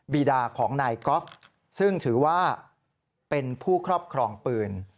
บีดาของนายกอล์ฟซึ่งถือว่าเป็นผู้ครอบครองปืน